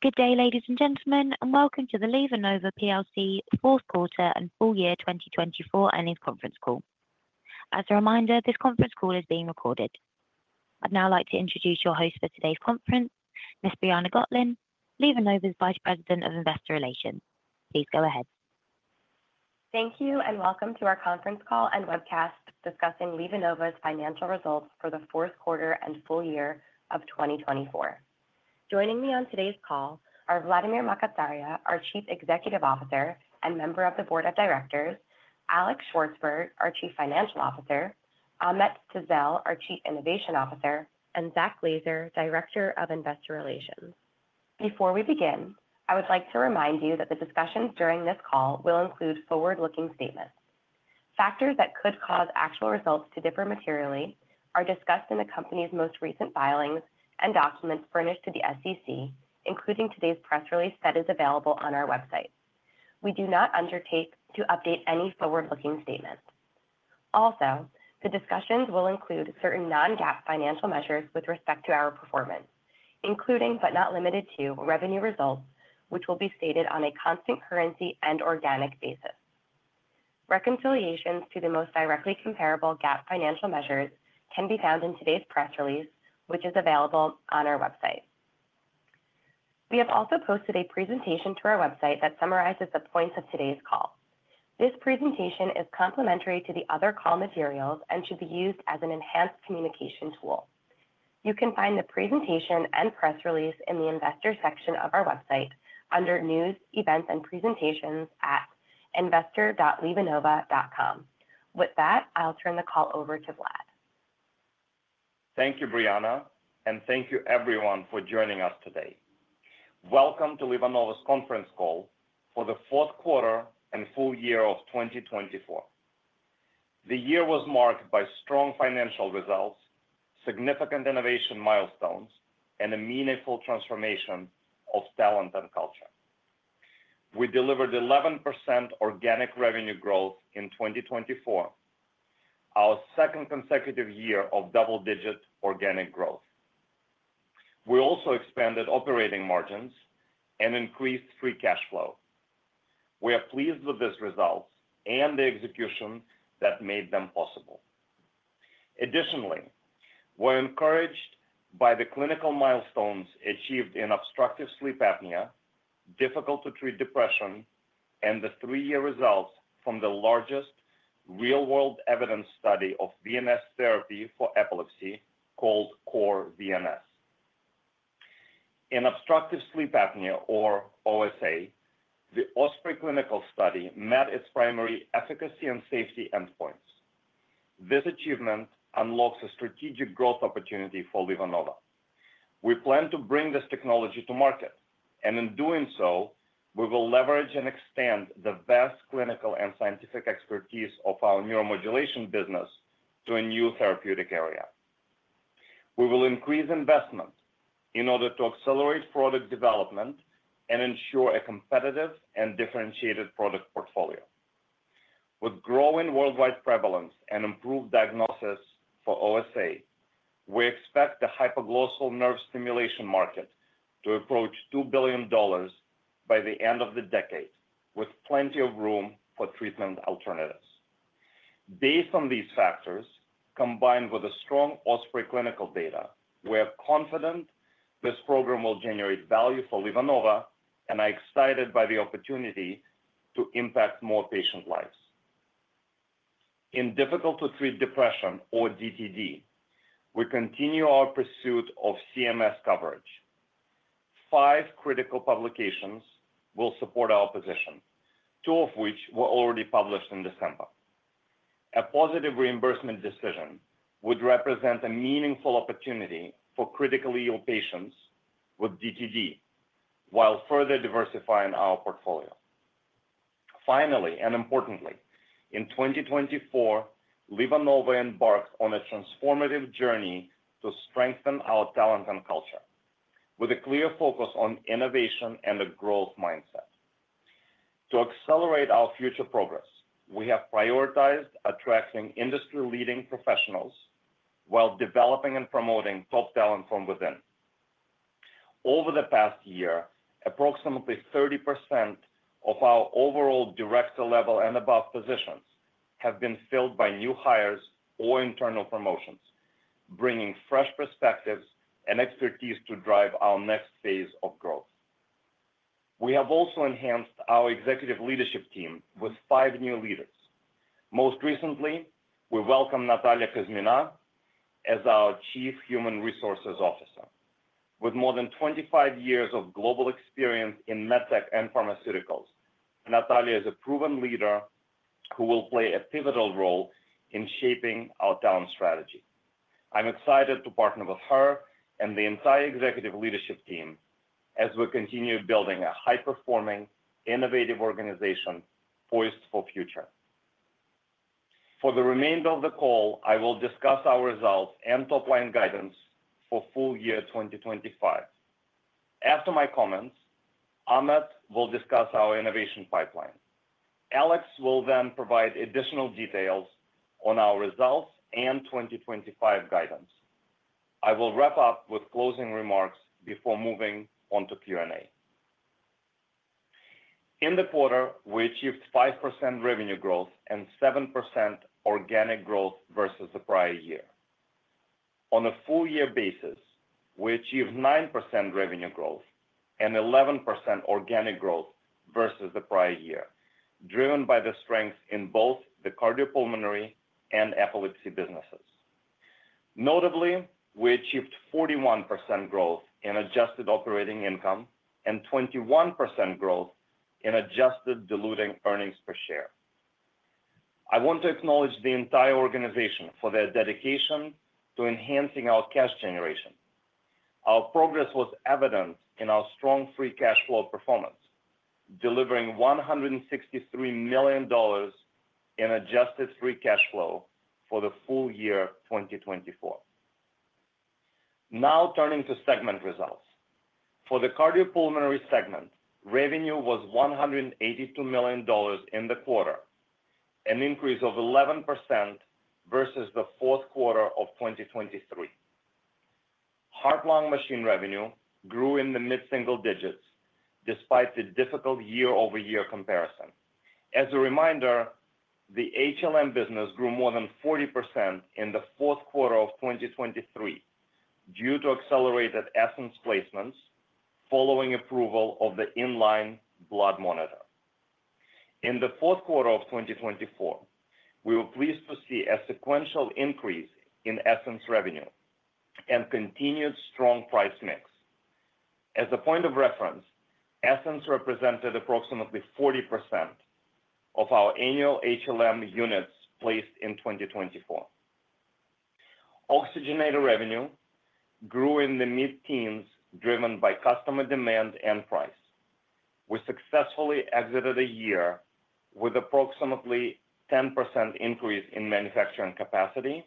Good day, ladies and gentlemen, and welcome to the LivaNova PLC Fourth Quarter and Full Year 2024 Annual Conference Call. As a reminder, this conference call is being recorded. I'd now like to introduce your host for today's conference, Ms. Briana Gotlin, LivaNova's Vice President of Investor Relations. Please go ahead. Thank you, and welcome to our conference call and webcast discussing LivaNova's financial results for the Fourth Quarter and Full Year of 2024. Joining me on today's call are Vladimir Makatsaria, our Chief Executive Officer and member of the Board of Directors, Alex Shvartsburg, our Chief Financial Officer, Ahmet Tezel, our Chief Innovation Officer, and Zach Glazier, Director of Investor Relations. Before we begin, I would like to remind you that the discussions during this call will include forward-looking statements. Factors that could cause actual results to differ materially are discussed in the company's most recent filings and documents furnished to the SEC, including today's press release that is available on our website. We do not undertake to update any forward-looking statements. Also, the discussions will include certain non-GAAP financial measures with respect to our performance, including but not limited to revenue results, which will be stated on a constant currency and organic basis. Reconciliations to the most directly comparable GAAP financial measures can be found in today's press release, which is available on our website. We have also posted a presentation to our website that summarizes the points of today's call. This presentation is complementary to the other call materials and should be used as an enhanced communication tool. You can find the presentation and press release in the Investor section of our website under News, Events, and Presentations at investor.livanova.com. With that, I'll turn the call over to Vlad. Thank you, Briana, and thank you, everyone, for joining us today. Welcome to LivaNova's conference call for the Fourth Quarter and Full Year of 2024. The year was marked by strong financial results, significant innovation milestones, and a meaningful transformation of talent and culture. We delivered 11% organic revenue growth in 2024, our second consecutive year of double-digit organic growth. We also expanded operating margins and increased free cash flow. We are pleased with these results and the execution that made them possible. Additionally, we're encouraged by the clinical milestones achieved in obstructive sleep apnea, difficult-to-treat depression, and the three-year results from the largest real-world evidence study of VNS therapy for epilepsy called CORE VNS. In obstructive sleep apnea, or OSA, the OSPREY clinical study met its primary efficacy and safety endpoints. This achievement unlocks a strategic growth opportunity for LivaNova. We plan to bring this technology to market, and in doing so, we will leverage and extend the vast clinical and scientific expertise of our neuromodulation business to a new therapeutic area. We will increase investment in order to accelerate product development and ensure a competitive and differentiated product portfolio. With growing worldwide prevalence and improved diagnosis for OSA, we expect the hypoglossal nerve stimulation market to approach $2 billion by the end of the decade, with plenty of room for treatment alternatives. Based on these factors, combined with strong OSPREY clinical data, we are confident this program will generate value for LivaNova, and I'm excited by the opportunity to impact more patient lives. In difficult-to-treat depression, or DTD, we continue our pursuit of CMS coverage. Five critical publications will support our position, two of which were already published in December. A positive reimbursement decision would represent a meaningful opportunity for critically ill patients with DTD while further diversifying our portfolio. Finally, and importantly, in 2024, LivaNova embarks on a transformative journey to strengthen our talent and culture, with a clear focus on innovation and a growth mindset. To accelerate our future progress, we have prioritized attracting industry-leading professionals while developing and promoting top talent from within. Over the past year, approximately 30% of our overall director-level and above positions have been filled by new hires or internal promotions, bringing fresh perspectives and expertise to drive our next phase of growth. We have also enhanced our executive leadership team with five new leaders. Most recently, we welcomed Natalia Kuzmina as our Chief Human Resources Officer. With more than 25 years of global experience in medtech and pharmaceuticals, Natalia is a proven leader who will play a pivotal role in shaping our talent strategy. I'm excited to partner with her and the entire executive leadership team as we continue building a high-performing, innovative organization poised for the future. For the remainder of the call, I will discuss our results and top-line guidance for Full Year 2025. After my comments, Ahmet will discuss our innovation pipeline. Alex will then provide additional details on our results and 2025 guidance. I will wrap up with closing remarks before moving on to Q&A. In the quarter, we achieved 5% revenue growth and 7% organic growth versus the prior year. On a full-year basis, we achieved 9% revenue growth and 11% organic growth versus the prior year, driven by the strength in both the cardiopulmonary and epilepsy businesses. Notably, we achieved 41% growth in adjusted operating income and 21% growth in adjusted diluting earnings per share. I want to acknowledge the entire organization for their dedication to enhancing our cash generation. Our progress was evident in our strong free cash flow performance, delivering $163 million in adjusted free cash flow for the full year 2024. Now, turning to segment results. For the Cardiopulmonary segment, revenue was $182 million in the quarter, an increase of 11% versus the fourth quarter of 2023. Heart-lung machine revenue grew in the mid-single digits despite the difficult year-over-year comparison. As a reminder, the HLM business grew more than 40% in the fourth quarter of 2023 due to accelerated Essenz placements following approval of the inline blood monitor. In the fourth quarter of 2024, we were pleased to see a sequential increase in Essenz revenue and continued strong price mix. As a point of reference, Essenz represented approximately 40% of our annual HLM units placed in 2024. Oxygenator revenue grew in the mid-teens, driven by customer demand and price. We successfully exited a year with approximately 10% increase in manufacturing capacity,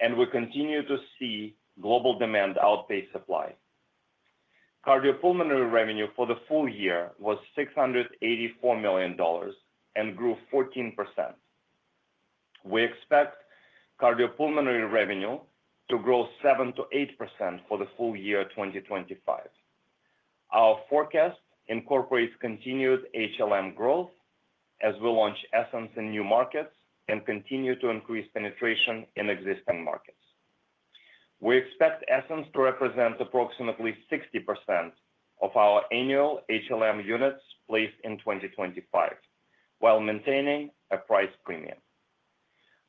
and we continue to see global demand outpace supply. Cardiopulmonary revenue for the full year was $684 million and grew 14%. We expect cardiopulmonary revenue to grow 7%-8% for the full year 2025. Our forecast incorporates continued HLM growth as we launch Essenz in new markets and continue to increase penetration in existing markets. We expect Essenz to represent approximately 60% of our annual HLM units placed in 2025, while maintaining a price premium.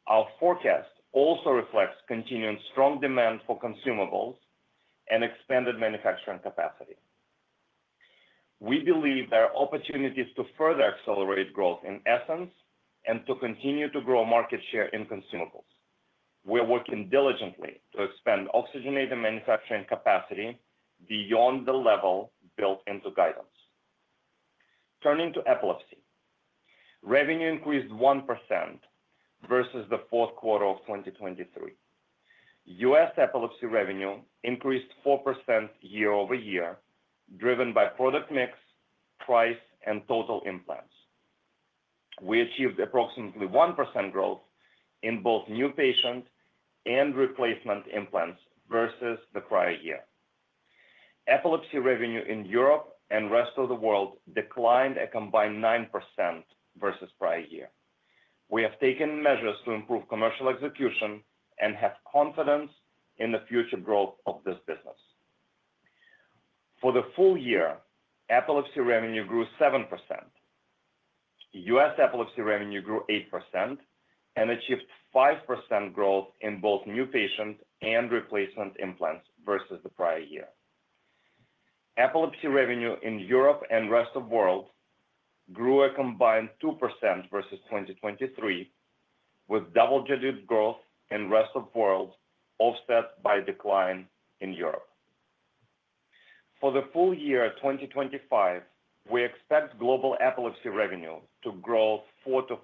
Our forecast also reflects continuing strong demand for consumables and expanded manufacturing capacity. We believe there are opportunities to further accelerate growth in Essenz and to continue to grow market share in consumables. We are working diligently to expand oxygenator manufacturing capacity beyond the level built into guidance. Turning to epilepsy, revenue increased 1% versus the fourth quarter of 2023. U.S. epilepsy revenue increased 4% year-over-year, driven by product mix, price, and total implants. We achieved approximately 1% growth in both new patient and replacement implants versus the prior year. Epilepsy revenue in Europe and the rest of the world declined a combined 9% versus the prior year. We have taken measures to improve commercial execution and have confidence in the future growth of this business. For the full year, epilepsy revenue grew 7%. U.S. epilepsy revenue grew 8% and achieved 5% growth in both new patient and replacement implants versus the prior year. Epilepsy revenue in Europe and the rest of the world grew a combined 2% versus 2023, with double-digit growth in the rest of the world offset by decline in Europe. For the full year 2025, we expect global epilepsy revenue to grow 4%-5%.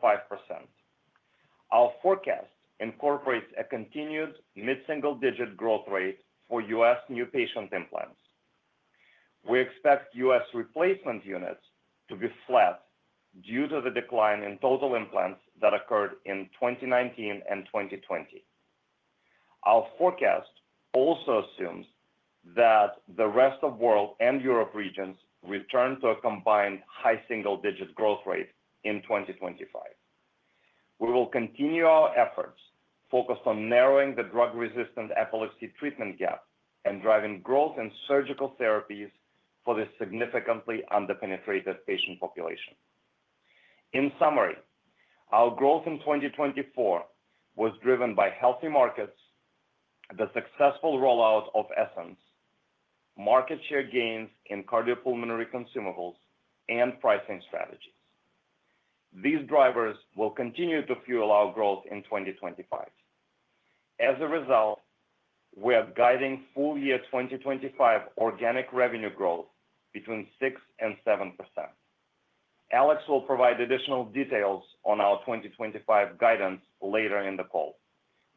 Our forecast incorporates a continued mid-single-digit growth rate for U.S. new patient implants. We expect U.S. replacement units to be flat due to the decline in total implants that occurred in 2019 and 2020. Our forecast also assumes that the rest of the world and Europe regions return to a combined high single-digit growth rate in 2025. We will continue our efforts focused on narrowing the drug-resistant epilepsy treatment gap and driving growth in surgical therapies for the significantly underpenetrated patient population. In summary, our growth in 2024 was driven by healthy markets, the successful rollout of Essenz, market share gains in cardiopulmonary consumables, and pricing strategies. These drivers will continue to fuel our growth in 2025. As a result, we are guiding full year 2025 organic revenue growth between 6% and 7%. Alex will provide additional details on our 2025 guidance later in the call.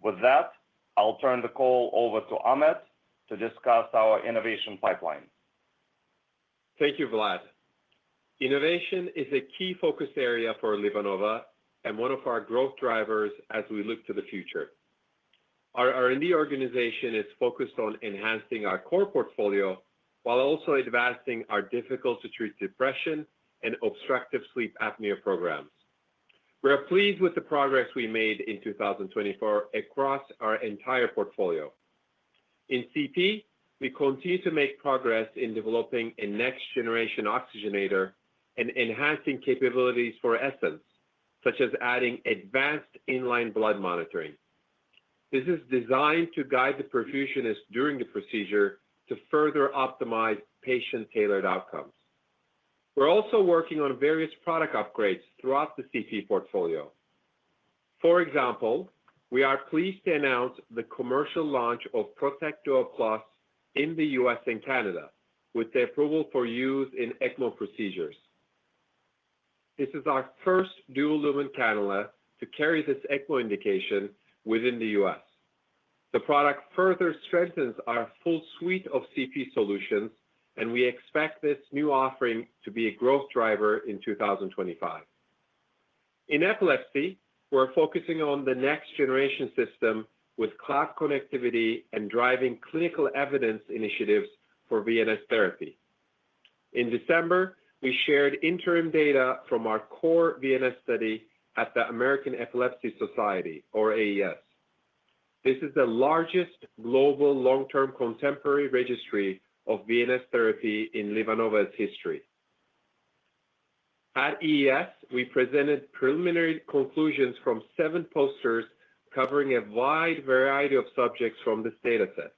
With that, I'll turn the call over to Ahmet to discuss our innovation pipeline. Thank you, Vlad. Innovation is a key focus area for LivaNova and one of our growth drivers as we look to the future. Our R&D organization is focused on enhancing our core portfolio while also advancing our difficult-to-treat depression and obstructive sleep apnea programs. We are pleased with the progress we made in 2024 across our entire portfolio. In CP, we continue to make progress in developing a next-generation oxygenator and enhancing capabilities for Essenz, such as adding advanced inline blood monitoring. This is designed to guide the perfusionist during the procedure to further optimize patient-tailored outcomes. We're also working on various product upgrades throughout the CP portfolio. For example, we are pleased to announce the commercial launch of ProTek Duo Plus in the U.S. and Canada, with the approval for use in ECMO procedures. This is our first dual-lumen cannula to carry this ECMO indication within the U.S. The product further strengthens our full suite of CP solutions, and we expect this new offering to be a growth driver in 2025. In epilepsy, we're focusing on the next-generation system with cloud connectivity and driving clinical evidence initiatives for VNS Therapy. In December, we shared interim data from our CORE VNS study at the American Epilepsy Society, or AES. This is the largest global long-term contemporary registry of VNS Therapy in LivaNova's history. At AES, we presented preliminary conclusions from seven posters covering a wide variety of subjects from this data set,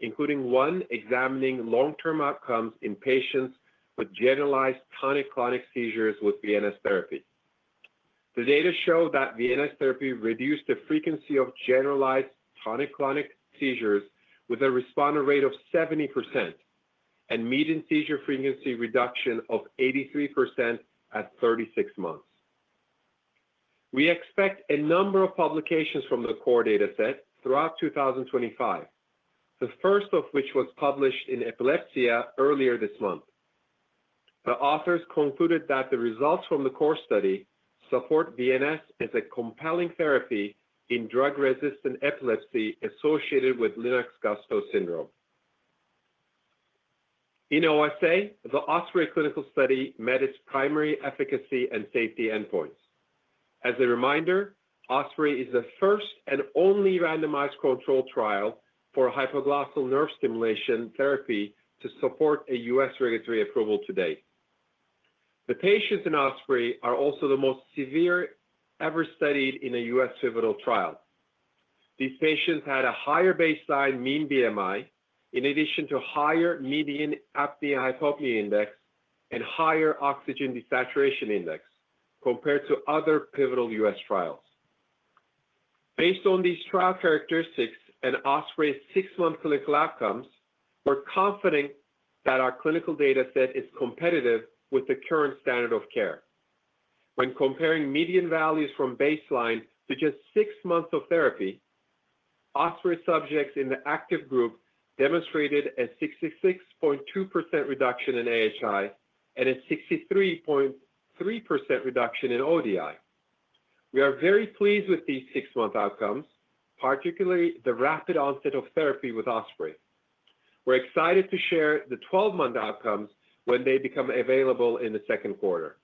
including one examining long-term outcomes in patients with generalized tonic-clonic seizures with VNS Therapy. The data show that VNS Therapy reduced the frequency of generalized tonic-clonic seizures with a responder rate of 70% and median seizure frequency reduction of 83% at 36 months. We expect a number of publications from the core data set throughout 2025, the first of which was published in Epilepsia earlier this month. The authors concluded that the results from the core study support VNS as a compelling therapy in drug-resistant epilepsy associated with Lennox-Gastaut syndrome. In OSA, the OSPREY clinical study met its primary efficacy and safety endpoints. As a reminder, OSPREY is the first and only randomized controlled trial for hypoglossal nerve stimulation therapy to support a U.S. regulatory approval to date. The patients in OSPREY are also the most severe ever studied in a U.S. pivotal trial. These patients had a higher baseline mean BMI, in addition to higher median Apnea-Hypopnea Index and higher Oxygen Desaturation Index compared to other pivotal U.S. trials. Based on these trial characteristics and OSPREY's six-month clinical outcomes, we're confident that our clinical data set is competitive with the current standard of care. When comparing median values from baseline to just six months of therapy, OSPREY subjects in the active group demonstrated a 66.2% reduction in AHI and a 63.3% reduction in ODI. We are very pleased with these six-month outcomes, particularly the rapid onset of therapy with OSPREY. We're excited to share the 12-month outcomes when they become available in the second quarter.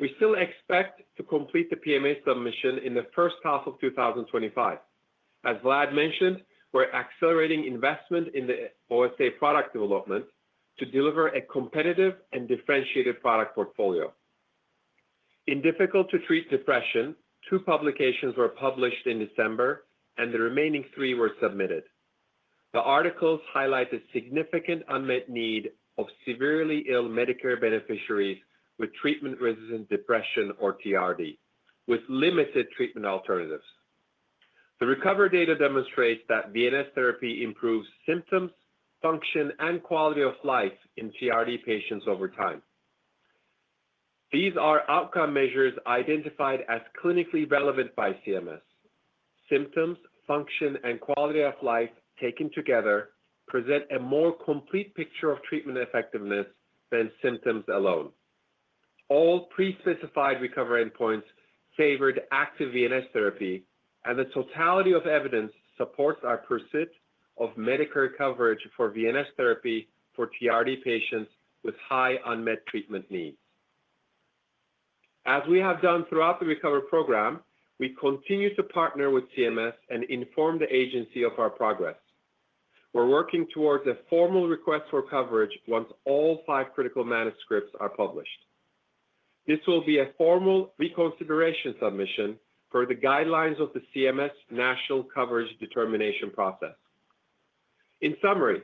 We still expect to complete the PMA submission in the first half of 2025. As Vlad mentioned, we're accelerating investment in the OSA product development to deliver a competitive and differentiated product portfolio. In Difficult-to-Treat Depression, two publications were published in December, and the remaining three were submitted. The articles highlight a significant unmet need of severely ill Medicare beneficiaries with treatment-resistant depression, or TRD, with limited treatment alternatives. The RECOVER data demonstrates that VNS therapy improves symptoms, function, and quality of life in TRD patients over time. These are outcome measures identified as clinically relevant by CMS. Symptoms, function, and quality of life taken together present a more complete picture of treatment effectiveness than symptoms alone. All pre-specified RECOVER endpoints favored active VNS therapy, and the totality of evidence supports our pursuit of Medicare coverage for VNS therapy for TRD patients with high unmet treatment needs. As we have done throughout the RECOVER program, we continue to partner with CMS and inform the agency of our progress. We're working towards a formal request for coverage once all five critical manuscripts are published. This will be a formal reconsideration submission per the guidelines of the CMS national coverage determination process. In summary,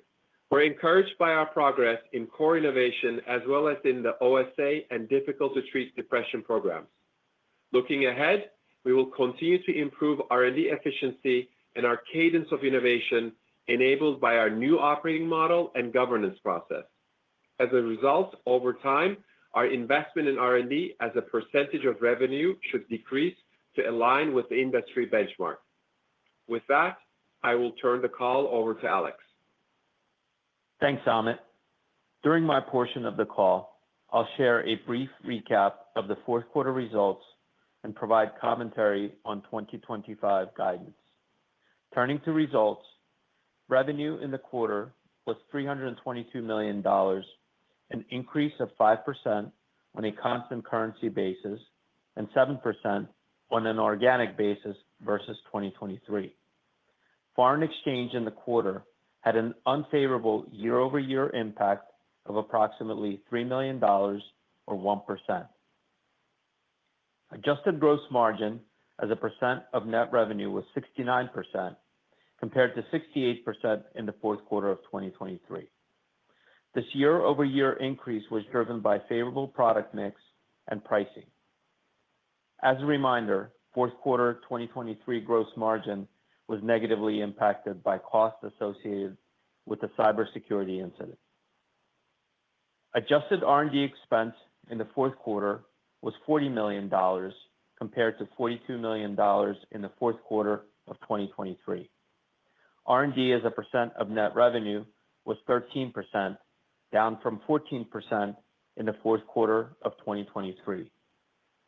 we're encouraged by our progress in core innovation as well as in the OSA and difficult-to-treat depression programs. Looking ahead, we will continue to improve R&D efficiency and our cadence of innovation enabled by our new operating model and governance process. As a result, over time, our investment in R&D as a percentage of revenue should decrease to align with the industry benchmark. With that, I will turn the call over to Alex. Thanks, Ahmet. During my portion of the call, I'll share a brief recap of the Fourth Quarter results and provide commentary on 2025 guidance. Turning to results, revenue in the quarter was $322 million, an increase of 5% on a constant currency basis and 7% on an organic basis versus 2023. Foreign exchange in the quarter had an unfavorable year-over-year impact of approximately $3 million, or 1%. Adjusted gross margin as a percent of net revenue was 69% compared to 68% in the Fourth Quarter of 2023. This year-over-year increase was driven by favorable product mix and pricing. As a reminder, Fourth Quarter 2023 gross margin was negatively impacted by costs associated with the cybersecurity incident. Adjusted R&D expense in the Fourth Quarter was $40 million compared to $42 million in the Fourth Quarter of 2023. R&D as a percent of net revenue was 13%, down from 14% in the Fourth Quarter of 2023.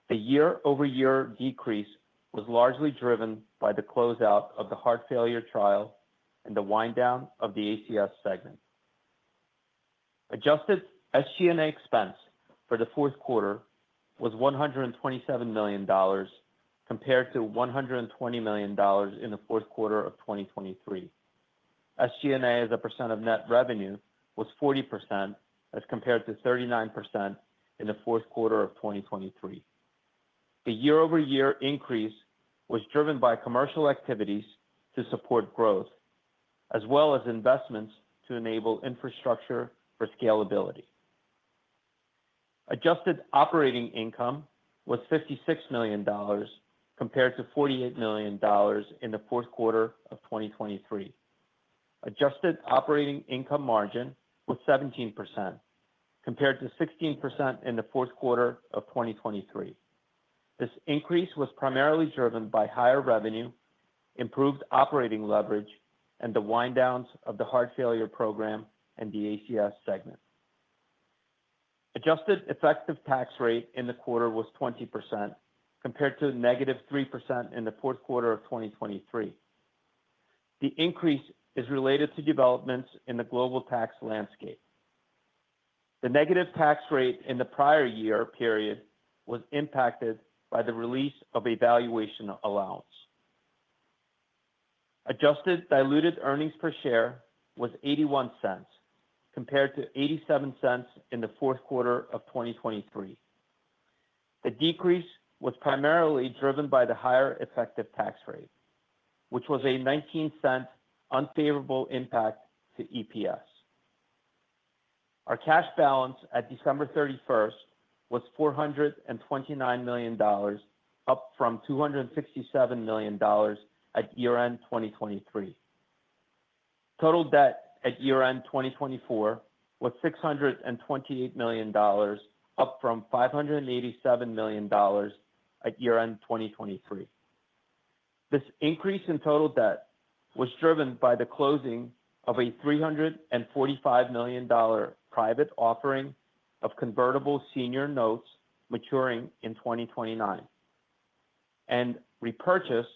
The year-over-year decrease was largely driven by the closeout of the heart failure trial and the wind down of the ACS segment. Adjusted SG&A expense for the Fourth Quarter was $127 million compared to $120 million in the Fourth Quarter of 2023. SG&A as a percent of net revenue was 40% as compared to 39% in the Fourth Quarter of 2023. The year-over-year increase was driven by commercial activities to support growth, as well as investments to enable infrastructure for scalability. Adjusted operating income was $56 million compared to $48 million in the Fourth Quarter of 2023. Adjusted operating income margin was 17% compared to 16% in the Fourth Quarter of 2023. This increase was primarily driven by higher revenue, improved operating leverage, and the wind downs of the heart failure program and the ACS segment. Adjusted effective tax rate in the quarter was 20% compared to negative 3% in the Fourth Quarter of 2023. The increase is related to developments in the global tax landscape. The negative tax rate in the prior year period was impacted by the release of a valuation allowance. Adjusted diluted earnings per share was $0.81 compared to $0.87 in the Fourth Quarter of 2023. The decrease was primarily driven by the higher effective tax rate, which was a $0.19 unfavorable impact to EPS. Our cash balance at December 31st was $429 million, up from $267 million at year-end 2023. Total debt at year-end 2024 was $628 million, up from $587 million at year-end 2023. This increase in total debt was driven by the closing of a $345 million private offering of convertible senior notes maturing in 2029, and repurchase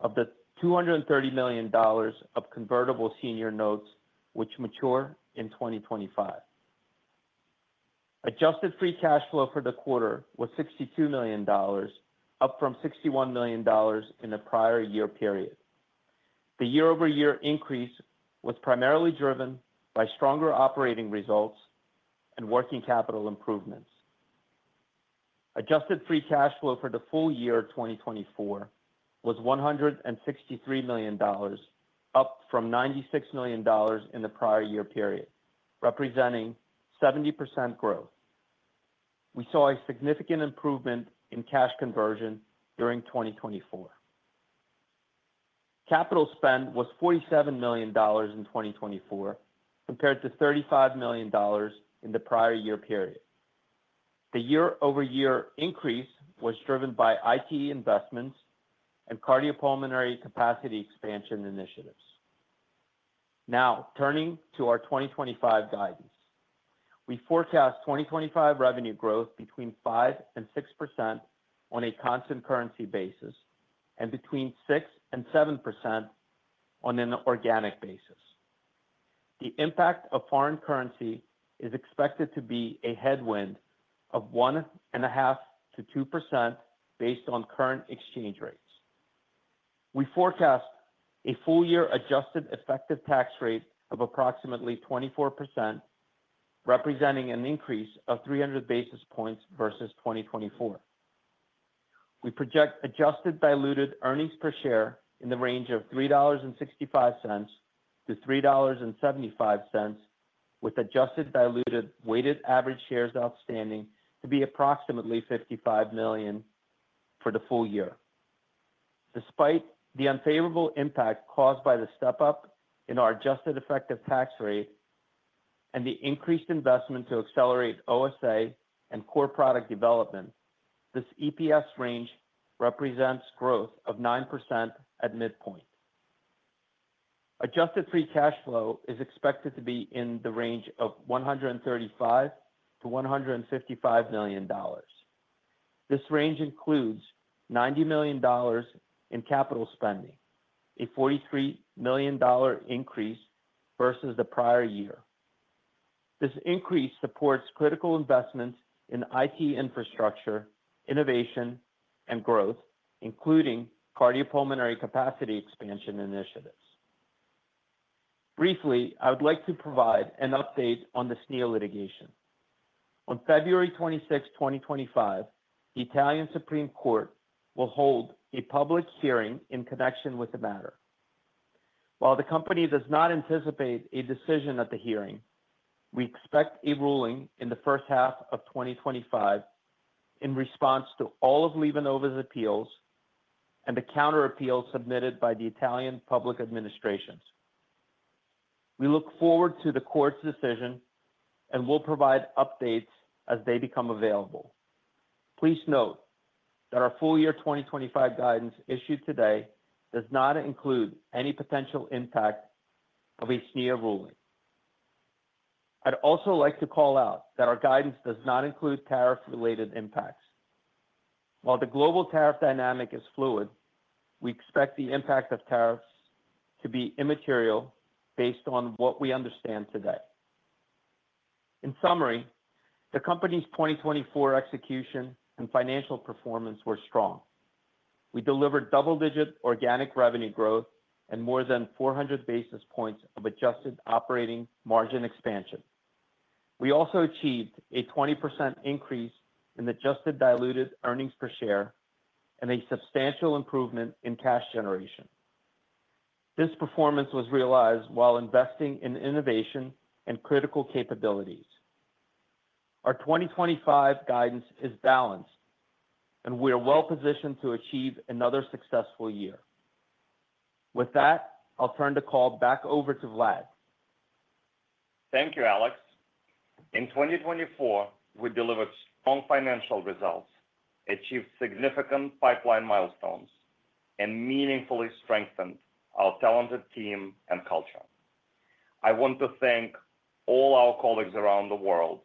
of the $230 million of convertible senior notes, which mature in 2025. Adjusted free cash flow for the quarter was $62 million, up from $61 million in the prior year period. The year-over-year increase was primarily driven by stronger operating results and working capital improvements. Adjusted free cash flow for the full year 2024 was $163 million, up from $96 million in the prior year period, representing 70% growth. We saw a significant improvement in cash conversion during 2024. Capital spend was $47 million in 2024 compared to $35 million in the prior year period. The year-over-year increase was driven by IT investments and cardiopulmonary capacity expansion initiatives. Now, turning to our 2025 guidance, we forecast 2025 revenue growth between 5% and 6% on a constant currency basis and between 6% and 7% on an organic basis. The impact of foreign currency is expected to be a headwind of 1.5% to 2% based on current exchange rates. We forecast a full-year adjusted effective tax rate of approximately 24%, representing an increase of 300 basis points versus 2024. We project adjusted diluted earnings per share in the range of $3.65-$3.75, with adjusted diluted weighted average shares outstanding to be approximately 55 million for the full year. Despite the unfavorable impact caused by the step-up in our adjusted effective tax rate and the increased investment to accelerate OSA and core product development, this EPS range represents growth of 9% at midpoint. Adjusted free cash flow is expected to be in the range of $135 million-$155 million. This range includes $90 million in capital spending, a $43 million increase versus the prior year. This increase supports critical investments in IT infrastructure, innovation, and growth, including cardiopulmonary capacity expansion initiatives. Briefly, I would like to provide an update on the SNIA litigation. On February 26, 2025, the Italian Supreme Court will hold a public hearing in connection with the matter. While the company does not anticipate a decision at the hearing, we expect a ruling in the first half of 2025 in response to all of LivaNova's appeals and the counter-appeals submitted by the Italian public administrations. We look forward to the court's decision and will provide updates as they become available. Please note that our full-year 2025 guidance issued today does not include any potential impact of a SNIA ruling. I'd also like to call out that our guidance does not include tariff-related impacts. While the global tariff dynamic is fluid, we expect the impact of tariffs to be immaterial based on what we understand today. In summary, the company's 2024 execution and financial performance were strong. We delivered double-digit organic revenue growth and more than 400 basis points of adjusted operating margin expansion. We also achieved a 20% increase in adjusted diluted earnings per share and a substantial improvement in cash generation. This performance was realized while investing in innovation and critical capabilities. Our 2025 guidance is balanced, and we are well-positioned to achieve another successful year. With that, I'll turn the call back over to Vlad. Thank you, Alex. In 2024, we delivered strong financial results, achieved significant pipeline milestones, and meaningfully strengthened our talented team and culture. I want to thank all our colleagues around the world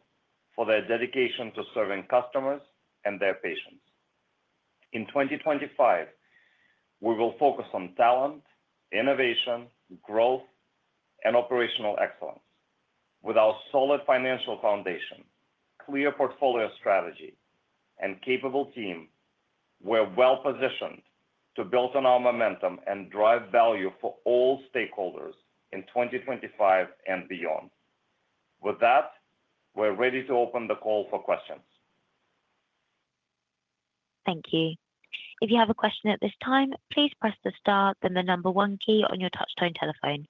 for their dedication to serving customers and their patients. In 2025, we will focus on talent, innovation, growth, and operational excellence. With our solid financial foundation, clear portfolio strategy, and capable team, we're well-positioned to build on our momentum and drive value for all stakeholders in 2025 and beyond. With that, we're ready to open the call for questions. Thank you. If you have a question at this time, please press the star then the number one key on your touchtone telephone.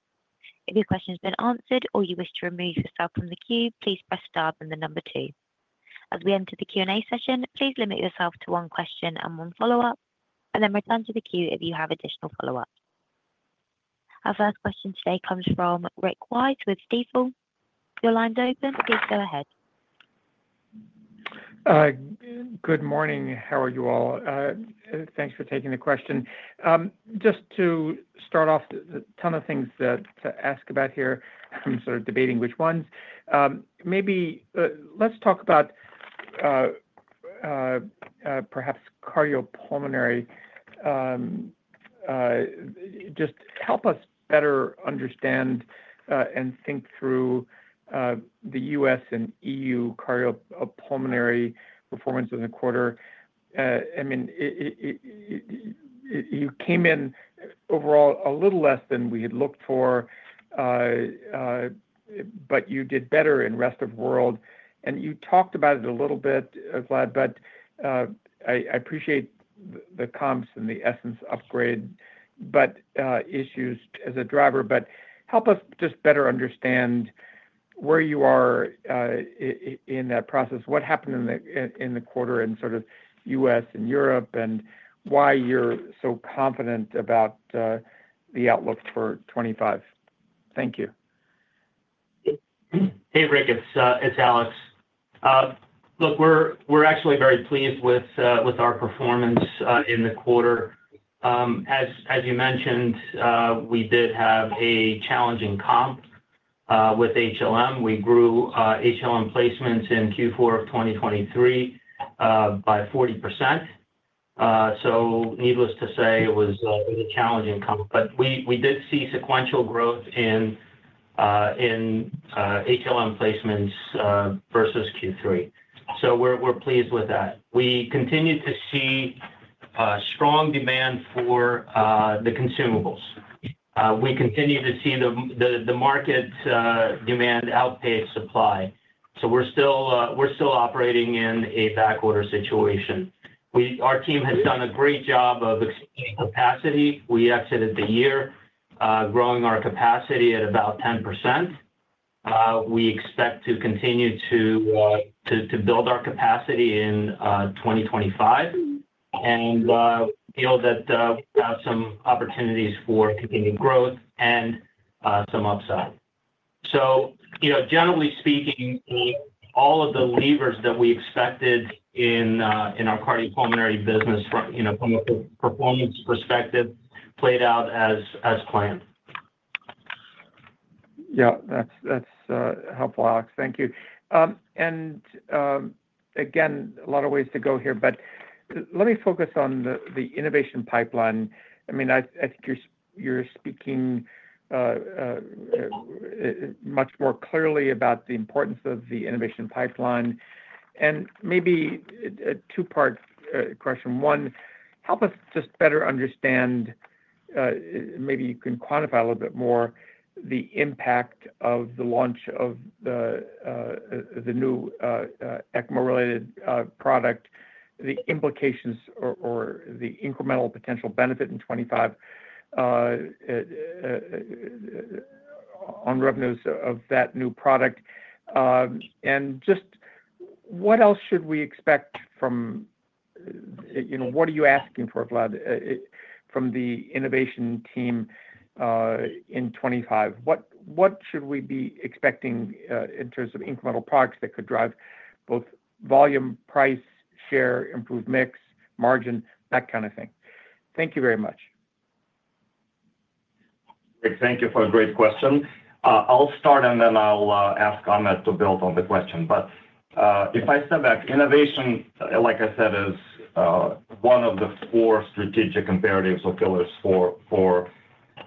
If your question has been answered or you wish to remove yourself from the queue, please press star then the number two. As we enter the Q&A session, please limit yourself to one question and one follow-up, and then return to the queue if you have additional follow-ups. Our first question today comes from Rick Wise with Stifel. Your line's open. Please go ahead. Good morning. How are you all? Thanks for taking the question. Just to start off, a ton of things to ask about here. I'm sort of debating which ones. Maybe let's talk about perhaps cardiopulmonary. Just help us better understand and think through the U.S. and EU cardiopulmonary performance of the quarter. I mean, you came in overall a little less than we had looked for, but you did better in rest of world. And you talked about it a little bit, Vlad, but I appreciate the comps and the Essenz upgrade, but issues as a driver, but help us just better understand where you are in that process, what happened in the quarter in sort of U.S. and Europe, and why you're so confident about the outlook for 2025. Thank you. Hey, Rick. It's Alex. Look, we're actually very pleased with our performance in the quarter. As you mentioned, we did have a challenging comp with HLM. We grew HLM placements in Q4 of 2023 by 40%. So needless to say, it was a challenging comp. But we did see sequential growth in HLM placements versus Q3. So we're pleased with that. We continue to see strong demand for the consumables. We continue to see the market demand outpace supply. So we're still operating in a backorder situation. Our team has done a great job of expanding capacity. We exited the year growing our capacity at about 10%. We expect to continue to build our capacity in 2025. And we feel that we have some opportunities for continued growth and some upside. So generally speaking, all of the levers that we expected in our cardiopulmonary business from a performance perspective played out as planned. Yeah. That's helpful, Alex. Thank you. And again, a lot of ways to go here, but let me focus on the innovation pipeline. I mean, I think you're speaking much more clearly about the importance of the innovation pipeline. And maybe a two-part question. One, help us just better understand, maybe you can quantify a little bit more, the impact of the launch of the new ECMO-related product, the implications or the incremental potential benefit in 2025 on revenues of that new product. And just what else should we expect from what are you asking for, Vlad, from the innovation team in 2025? What should we be expecting in terms of incremental products that could drive both volume, price, share, improved mix, margin, that kind of thing? Thank you very much. Rick, thank you for a great question. I'll start, and then I'll ask Ahmet to build on the question, but if I step back, innovation, like I said, is one of the four strategic imperatives or pillars for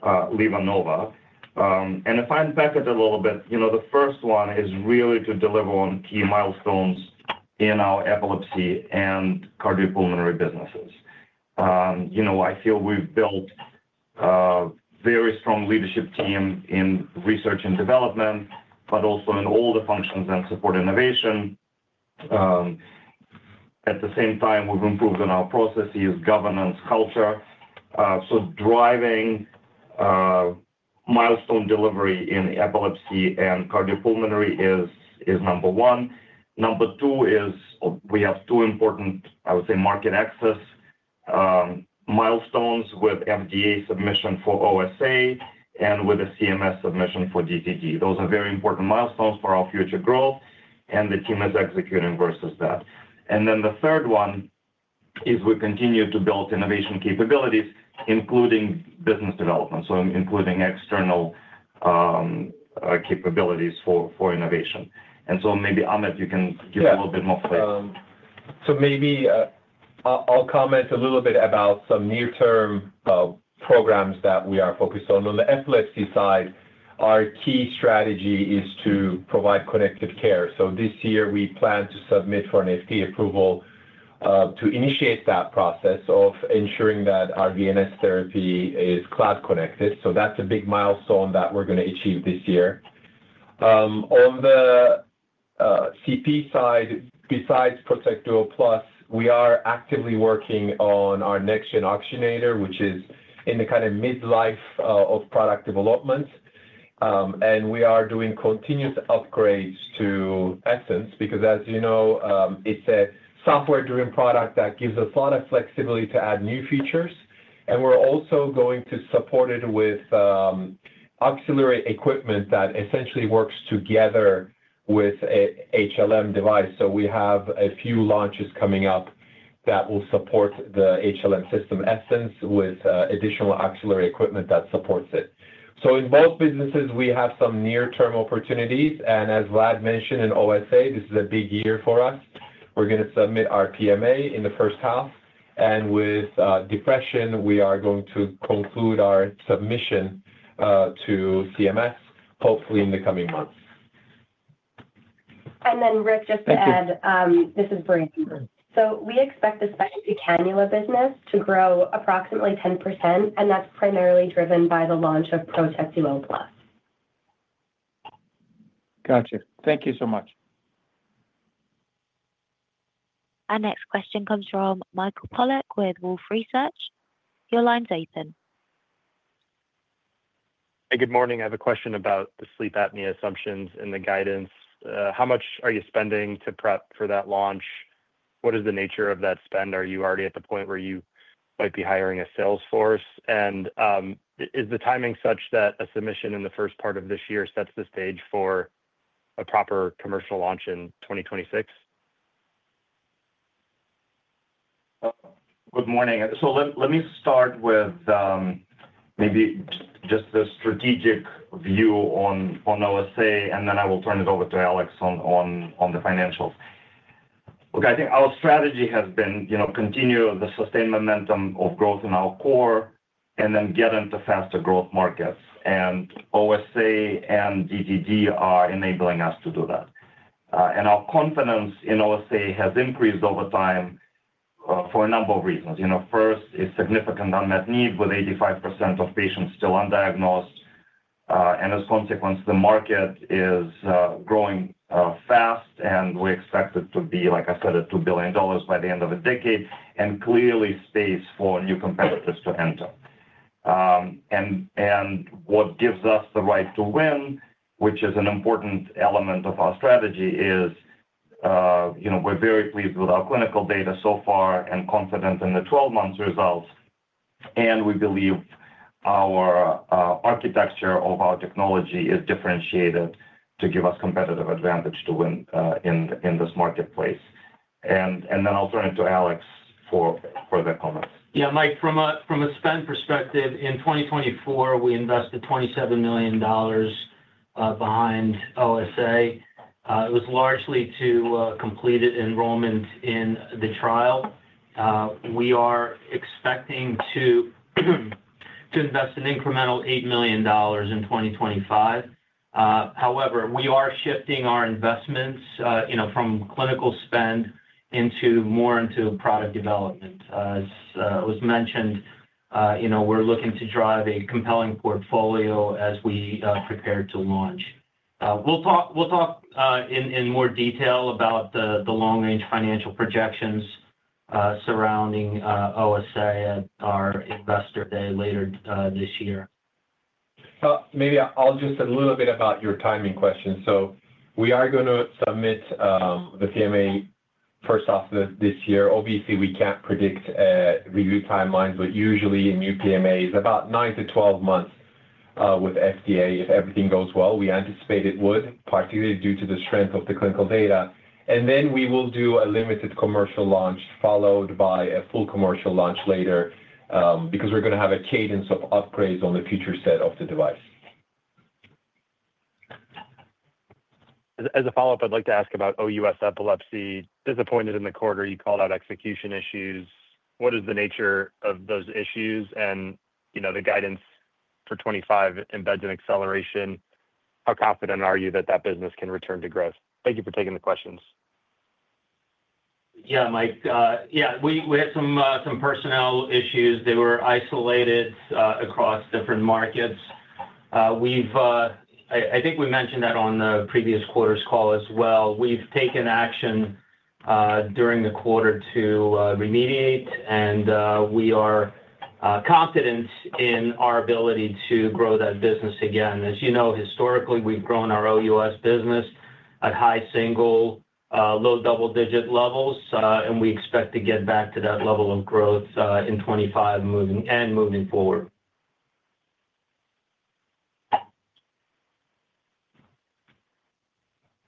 LivaNova, and if I unpack it a little bit, the first one is really to deliver on key milestones in our epilepsy and cardiopulmonary businesses. I feel we've built a very strong leadership team in research and development, but also in all the functions that support innovation. At the same time, we've improved on our processes, governance, culture. So driving milestone delivery in epilepsy and cardiopulmonary is number one. Number two is we have two important, I would say, market access milestones with FDA submission for OSA and with a CMS submission for DTD. Those are very important milestones for our future growth, and the team is executing versus that. And then the third one is we continue to build innovation capabilities, including business development, so including external capabilities for innovation. And so maybe Ahmet, you can give a little bit more flavor. Maybe I'll comment a little bit about some near-term programs that we are focused on. On the epilepsy side, our key strategy is to provide connected care. This year, we plan to submit for an FDA approval to initiate that process of ensuring that our VNS Therapy is cloud-connected. That's a big milestone that we're going to achieve this year. On the CP side, besides ProTek Duo Plus, we are actively working on our NextGen Oxygenator, which is in the kind of mid-life of product development. And we are doing continuous upgrades to Essenz because, as you know, it's a software-driven product that gives us a lot of flexibility to add new features. And we're also going to support it with auxiliary equipment that essentially works together with an HLM device. So we have a few launches coming up that will support the HLM system, Essenz, with additional auxiliary equipment that supports it. So in both businesses, we have some near-term opportunities. And as Vlad mentioned in OSA, this is a big year for us. We're going to submit our PMA in the first half. And with depression, we are going to conclude our submission to CMS, hopefully in the coming months. Then, Rick, just to add, this is Brandon. So we expect the specialty cannula business to grow approximately 10%, and that's primarily driven by the launch of ProTek Duo Plus. Gotcha. Thank you so much. Our next question comes from Michael Polark with Wolfe Research. Your line's open. Hey, good morning. I have a question about the sleep apnea assumptions and the guidance. How much are you spending to prep for that launch? What is the nature of that spend? Are you already at the point where you might be hiring a sales force? And is the timing such that a submission in the first part of this year sets the stage for a proper commercial launch in 2026? Good morning. So let me start with maybe just the strategic view on OSA, and then I will turn it over to Alex on the financials. Look, I think our strategy has been to continue the sustained momentum of growth in our core and then get into faster growth markets. And OSA and DTD are enabling us to do that. And our confidence in OSA has increased over time for a number of reasons. First, it's significant unmet need with 85% of patients still undiagnosed. And as a consequence, the market is growing fast, and we expect it to be, like I said, at $2 billion by the end of the decade and clearly space for new competitors to enter. And what gives us the right to win, which is an important element of our strategy, is we're very pleased with our clinical data so far and confident in the 12-month results. And we believe our architecture of our technology is differentiated to give us competitive advantage to win in this marketplace. And then I'll turn it to Alex for the comments. Yeah, Mike, from a spend perspective, in 2024, we invested $27 million behind OSA. It was largely to complete enrollment in the trial. We are expecting to invest an incremental $8 million in 2025. However, we are shifting our investments from clinical spend more into product development. As was mentioned, we're looking to drive a compelling portfolio as we prepare to launch. We'll talk in more detail about the long-range financial projections surrounding OSA at our investor day later this year. Maybe I'll just add a little bit about your timing question. So we are going to submit the PMA first off this year. Obviously, we can't predict review timelines, but usually a new PMA is about nine to 12 months with FDA if everything goes well. We anticipate it would, particularly due to the strength of the clinical data. And then we will do a limited commercial launch followed by a full commercial launch later because we're going to have a cadence of upgrades on the future set of the device. As a follow-up, I'd like to ask about OUS Epilepsy. Disappointed in the quarter, you called out execution issues. What is the nature of those issues and the guidance for 2025 embedded in acceleration? How confident are you that that business can return to growth? Thank you for taking the questions. Yeah, Mike. Yeah, we had some personnel issues. They were isolated across different markets. I think we mentioned that on the previous quarter's call as well. We've taken action during the quarter to remediate, and we are confident in our ability to grow that business again. As you know, historically, we've grown our OUS business at high single, low double-digit levels, and we expect to get back to that level of growth in 2025 and moving forward.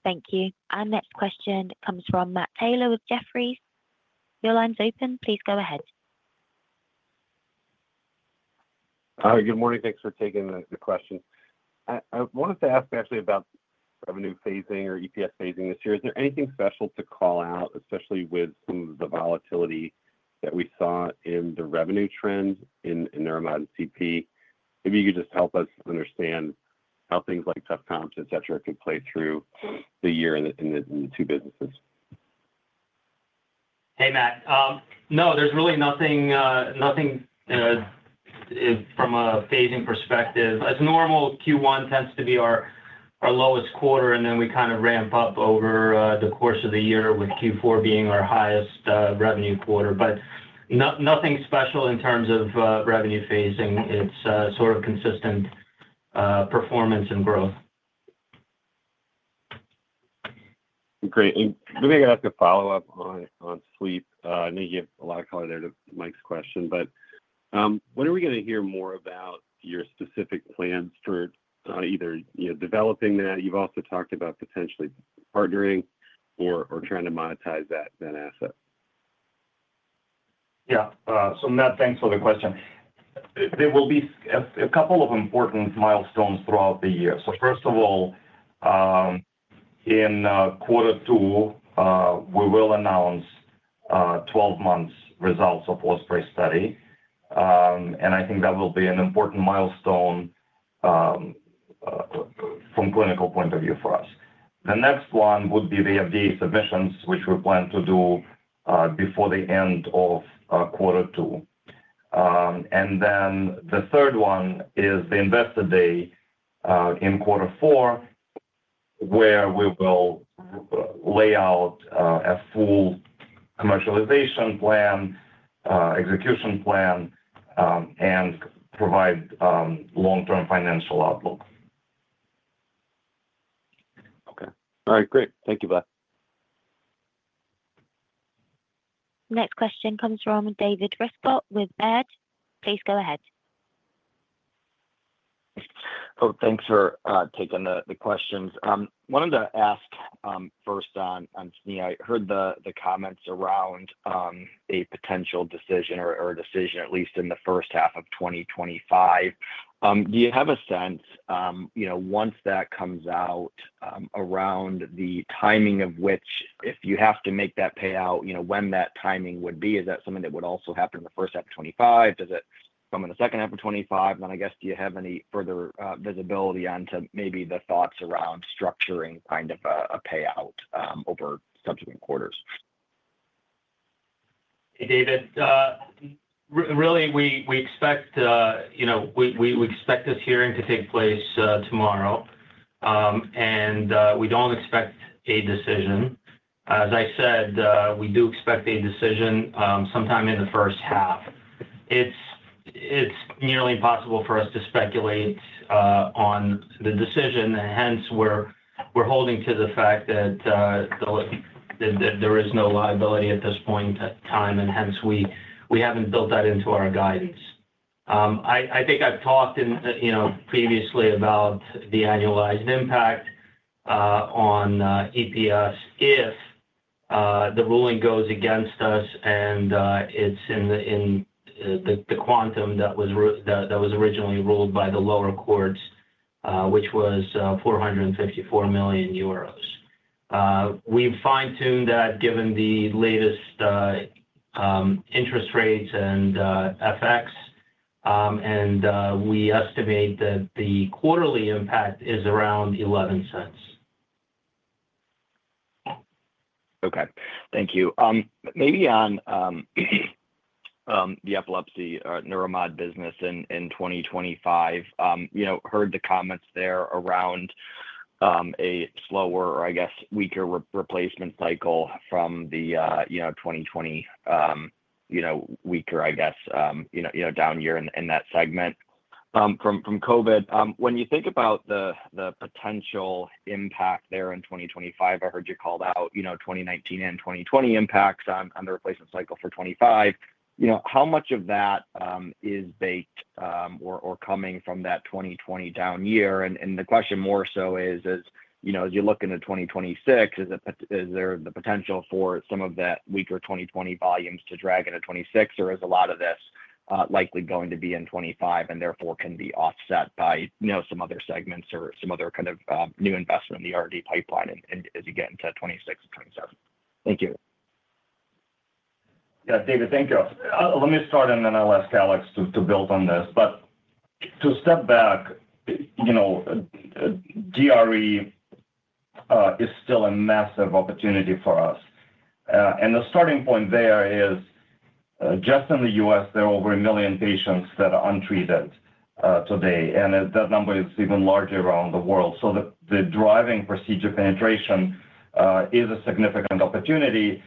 Thank you. Our next question comes from Matthew Taylor with Jefferies. Your line's open. Please go ahead. Hi, good morning. Thanks for taking the question. I wanted to ask actually about revenue phasing or EPS phasing this year. Is there anything special to call out, especially with some of the volatility that we saw in the revenue trend in neuromod and CP? Maybe you could just help us understand how things like tough comps, etc., could play through the year in the two businesses. Hey, Matt. No, there's really nothing from a phasing perspective. As normal, Q1 tends to be our lowest quarter, and then we kind of ramp up over the course of the year with Q4 being our highest revenue quarter. But nothing special in terms of revenue phasing. It's sort of consistent performance and growth. Great. And maybe I can ask a follow-up on sleep. I know you gave a lot of color there to Mike's question, but when are we going to hear more about your specific plans for either developing that? You've also talked about potentially partnering or trying to monetize that asset. Yeah. So Matt, thanks for the question. There will be a couple of important milestones throughout the year. So first of all, in quarter two, we will announce 12-month results of OSPREY's study. And I think that will be an important milestone from a clinical point of view for us. The next one would be the FDA submissions, which we plan to do before the end of quarter two. And then the third one is the investor day in quarter four, where we will lay out a full commercialization plan, execution plan, and provide long-term financial outlook. Okay. All right. Great. Thank you, Vlad. Next question comes from David Rescott with Baird. Please go ahead. Oh, thanks for taking the questions. I wanted to ask first on SNIA. I heard the comments around a potential decision or a decision, at least in the first half of 2025. Do you have a sense once that comes out around the timing of which, if you have to make that payout, when that timing would be? Is that something that would also happen in the first half of 2025? Does it come in the second half of 2025? And then I guess, do you have any further visibility onto maybe the thoughts around structuring kind of a payout over subsequent quarters? Hey, David. Really, we expect this hearing to take place tomorrow, and we don't expect a decision. As I said, we do expect a decision sometime in the first half. It's nearly impossible for us to speculate on the decision, and hence, we're holding to the fact that there is no liability at this point in time, and hence, we haven't built that into our guidance. I think I've talked previously about the annualized impact on EPS if the ruling goes against us and it's in the quantum that was originally ruled by the lower courts, which was 454 million euros. We've fine-tuned that given the latest interest rates and FX, and we estimate that the quarterly impact is around $0.11. Okay. Thank you. Maybe on the Epilepsy Neuromodulation business in 2025, I heard the comments there around a slower or, I guess, weaker replacement cycle from the 2020 weaker, I guess, down year in that segment from COVID, when you think about the potential impact there in 2025, I heard you called out 2019 and 2020 impacts on the replacement cycle for 2025. How much of that is baked or coming from that 2020 down year? And the question more so is, as you look into 2026, is there the potential for some of that weaker 2020 volumes to drag into 2026, or is a lot of this likely going to be in 2025 and therefore can be offset by some other segments or some other kind of new investment in the R&D pipeline as you get into 2026 and 2027? Thank you. Yeah, David, thank you. Let me start, and then I'll ask Alex to build on this, but to step back, DRE is still a massive opportunity for us, and the starting point there is, just in the U.S., there are over a million patients that are untreated today, and that number is even larger around the world, so the driving procedure penetration is a significant opportunity,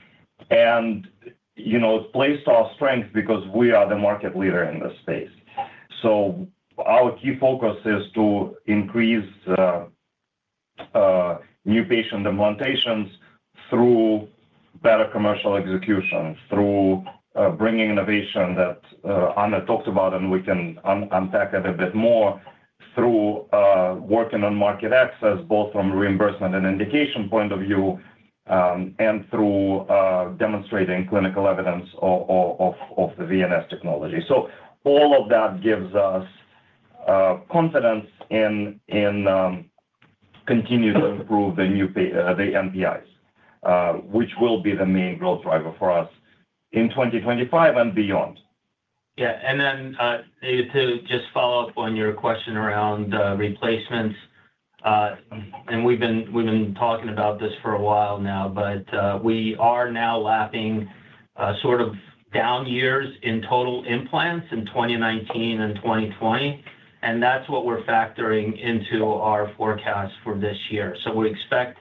and it's placed our strength because we are the market leader in this space, so our key focus is to increase new patient implantations through better commercial execution, through bringing innovation that Anna talked about, and we can unpack a bit more through working on market access, both from reimbursement and indication point of view, and through demonstrating clinical evidence of the VNS technology. So all of that gives us confidence in continuing to improve the NPIs, which will be the main growth driver for us in 2025 and beyond. Yeah. And then, David, to just follow up on your question around replacements. And we've been talking about this for a while now, but we are now lapping sort of down years in total implants in 2019 and 2020. And that's what we're factoring into our forecast for this year. So we expect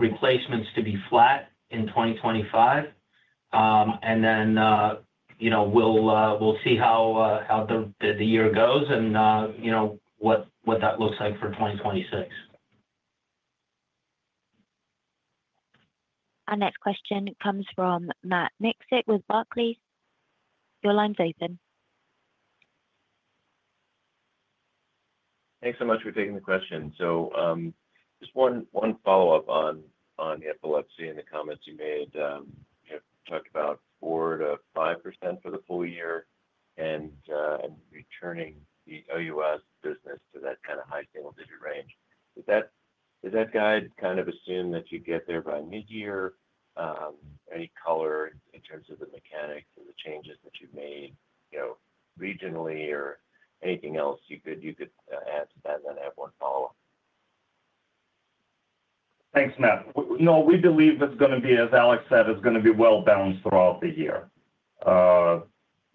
replacements to be flat in 2025. And then we'll see how the year goes and what that looks like for 2026. Our next question comes from Matt Miksic with Barclays. Your line's open. Thanks so much for taking the question. So just one follow-up on the Epilepsy and the comments you made. You talked about 4%-5% for the full year and returning the OUS business to that kind of high single-digit range. Does that guide kind of assume that you get there by midyear? Any color in terms of the mechanics or the changes that you've made regionally or anything else you could add to that and then have one follow-up? Thanks, Matt. No, we believe it's going to be, as Alex said, it's going to be well-balanced throughout the year.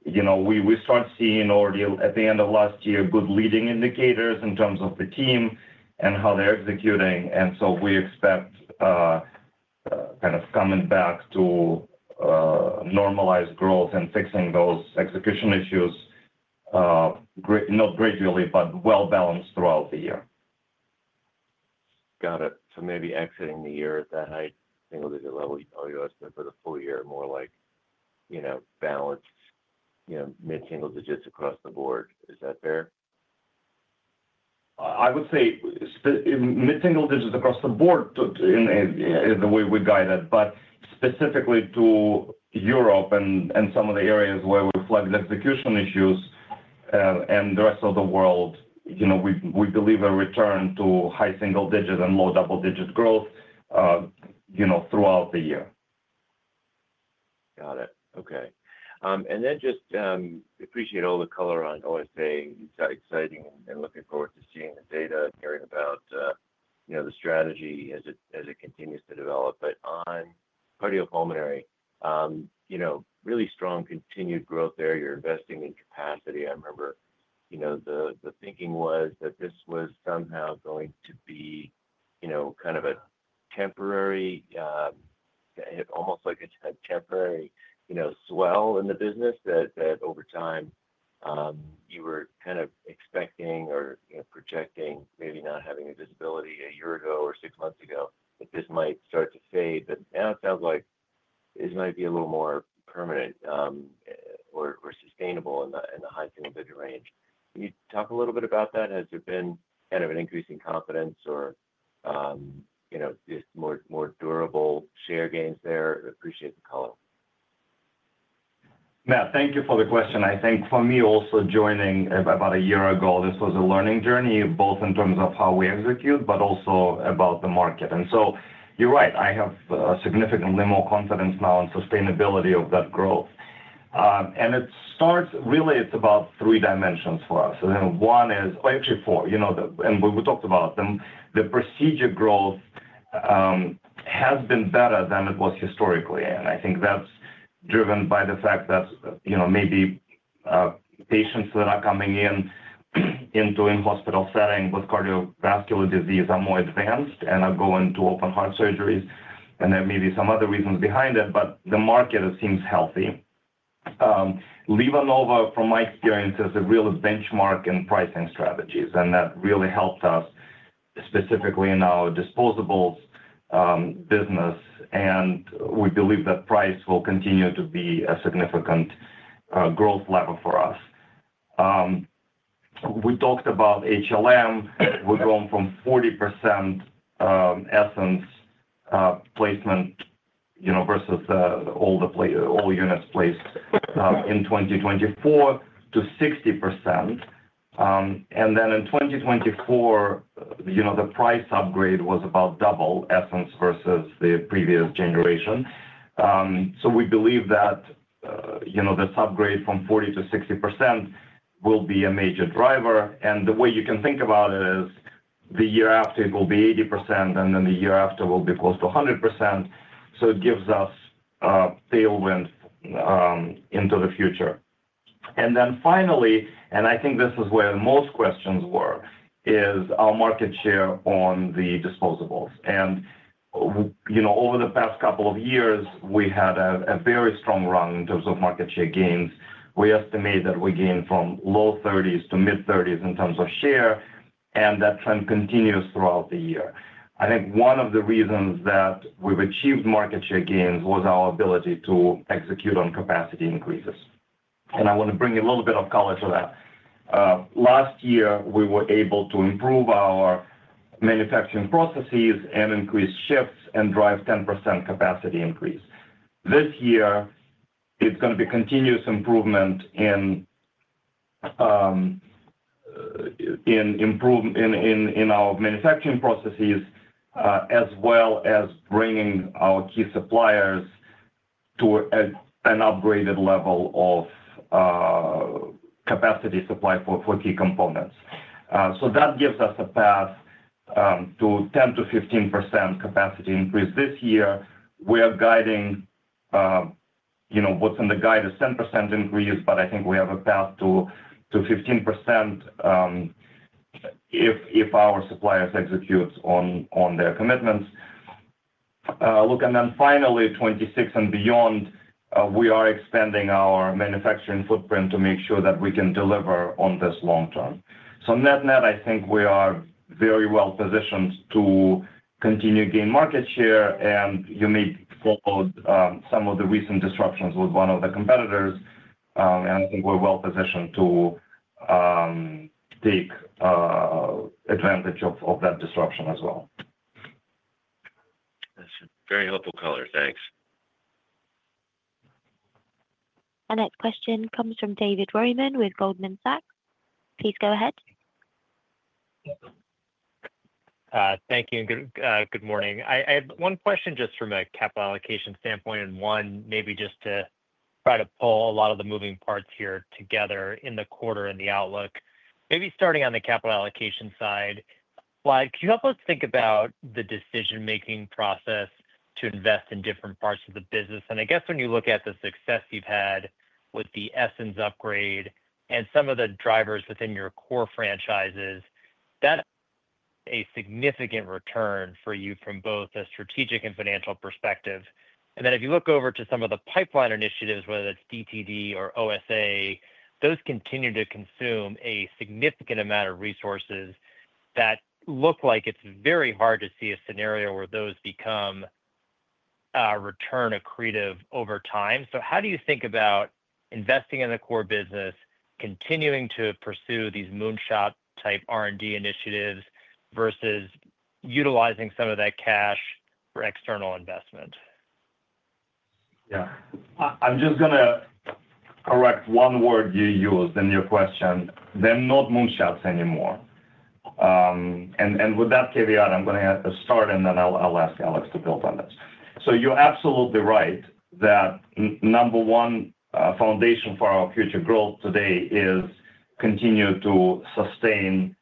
We started seeing already at the end of last year good leading indicators in terms of the team and how they're executing, and so we expect kind of coming back to normalized growth and fixing those execution issues, not gradually, but well-balanced throughout the year. Got it. So maybe exiting the year at that high single-digit level, OUS, but for the full year, more like balanced mid-single digits across the board. Is that fair? I would say mid-single digits across the board is the way we guide it. But specifically to Europe and some of the areas where we flagged execution issues and the rest of the world, we believe a return to high single-digit and low double-digit growth throughout the year. Got it. Okay. And then just appreciate all the color on OSA. It's exciting, and looking forward to seeing the data and hearing about the strategy as it continues to develop. But on Cardiopulmonary, really strong continued growth there. You're investing in capacity. I remember the thinking was that this was somehow going to be kind of a temporary, almost like a temporary swell in the business, that over time you were kind of expecting or projecting, maybe not having the visibility a year ago or six months ago, that this might start to fade. But now it sounds like this might be a little more permanent or sustainable in the high single-digit range. Can you talk a little bit about that? Has there been kind of an increase in confidence or just more durable share gains there? Appreciate the color. Matt, thank you for the question. I think for me also joining about a year ago, this was a learning journey, both in terms of how we execute, but also about the market. And so you're right. I have significantly more confidence now in sustainability of that growth. And it starts really, it's about three dimensions for us. One is, actually four, and we talked about them. The procedure growth has been better than it was historically. And I think that's driven by the fact that maybe patients that are coming into in-hospital setting with cardiovascular disease are more advanced and are going to open heart surgeries. And there may be some other reasons behind it, but the market seems healthy. LivaNova, from my experience, is a real benchmark in pricing strategies, and that really helped us specifically in our disposables business. We believe that price will continue to be a significant growth level for us. We talked about HLM. We're going from 40% Essenz placement versus all units placed in 2024 to 60%. And then in 2024, the price upgrade was about double Essenz versus the previous generation. So we believe that this upgrade from 40% to 60% will be a major driver. And the way you can think about it is the year after, it will be 80%, and then the year after will be close to 100%. So it gives us tailwind into the future. And then finally, and I think this is where most questions were, is our market share on the disposables. And over the past couple of years, we had a very strong run in terms of market share gains. We estimate that we gained from low 30s to mid-30s in terms of share, and that trend continues throughout the year. I think one of the reasons that we've achieved market share gains was our ability to execute on capacity increases. And I want to bring a little bit of color to that. Last year, we were able to improve our manufacturing processes and increase shifts and drive 10% capacity increase. This year, it's going to be continuous improvement in our manufacturing processes, as well as bringing our key suppliers to an upgraded level of capacity supply for key components. So that gives us a path to 10%-15% capacity increase this year. We are guiding what's in the guide is 10% increase, but I think we have a path to 15% if our suppliers execute on their commitments. Look, and then finally, 2026 and beyond, we are expanding our manufacturing footprint to make sure that we can deliver on this long term. So net, net, I think we are very well positioned to continue to gain market share. And you may follow some of the recent disruptions with one of the competitors. And I think we're well positioned to take advantage of that disruption as well. Very helpful color. Thanks. Our next question comes from David Roman with Goldman Sachs. Please go ahead. Thank you. Good morning. I have one question just from a capital allocation standpoint and one maybe just to try to pull a lot of the moving parts here together in the quarter and the outlook. Maybe starting on the capital allocation side, Vlad, could you help us think about the decision-making process to invest in different parts of the business? And I guess when you look at the success you've had with the Essenz upgrade and some of the drivers within your core franchises, that's a significant return for you from both a strategic and financial perspective. And then if you look over to some of the pipeline initiatives, whether that's DTD or OSA, those continue to consume a significant amount of resources that look like it's very hard to see a scenario where those become return accretive over time. So how do you think about investing in the core business, continuing to pursue these moonshot-type R&D initiatives versus utilizing some of that cash for external investment? Yeah. I'm just going to correct one word you used in your question. They're not moonshots anymore. And with that caveat, I'm going to start, and then I'll ask Alex to build on this. So you're absolutely right that number one foundation for our future growth today is continue to sustain